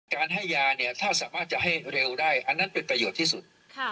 การให้ยาเนี่ยถ้าสามารถจะให้เร็วได้อันนั้นเป็นประโยชน์ที่สุด